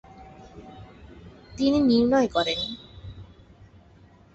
তিনি নির্ণয় করেন।